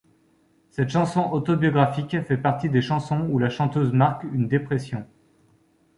Cette chanson autobiographique fait partie des chansons où la chanteuse marque une dépression.